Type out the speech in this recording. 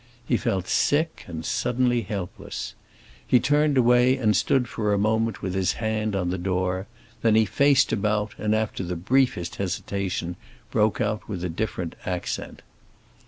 He felt sick, and suddenly helpless. He turned away and stood for a moment with his hand on the door; then he faced about and after the briefest hesitation broke out with a different accent.